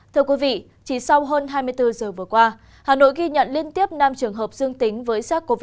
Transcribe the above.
thưa quý vị chỉ sau hơn hai mươi bốn giờ vừa qua hà nội ghi nhận liên tiếp năm trường hợp dương tính với sars cov hai